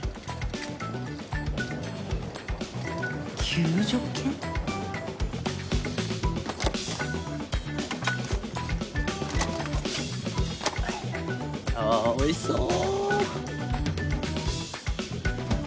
救助犬？ああおいしそう！